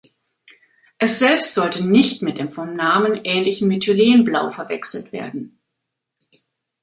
Es selbst sollte nicht mit dem vom Namen ähnlichen Methylenblau verwechselt werden.